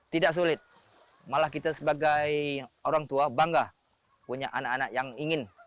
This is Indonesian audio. tidak sulit malah kita sebagai orang tua bangga punya anak anak yang ingin